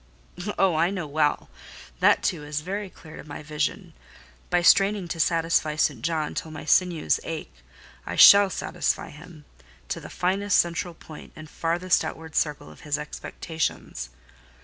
Oh, I know well! That, too, is very clear to my vision. By straining to satisfy St. John till my sinews ache, I shall satisfy him—to the finest central point and farthest outward circle of his expectations.